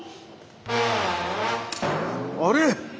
あれ？